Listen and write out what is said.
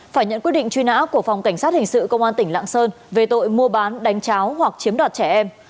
phải nhận quyết định truy nã của phòng cảnh sát hình sự công an tỉnh lạng sơn về tội mua bán đánh cháo hoặc chiếm đoạt trẻ em